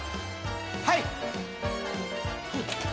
はい！